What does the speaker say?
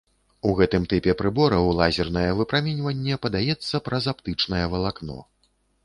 У гэтым тыпе прыбораў лазернае выпраменьванне падаецца праз аптычнае валакно.